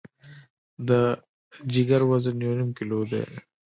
د جګر وزن یو نیم کیلو دی.